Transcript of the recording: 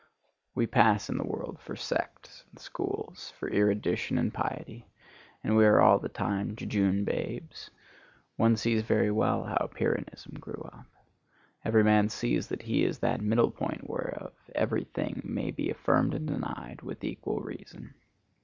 We pass in the world for sects and schools, for erudition and piety, and we are all the time jejune babes. One sees very well how Pyrrhonism grew up. Every man sees that he is that middle point whereof every thing may be affirmed and denied with equal reason.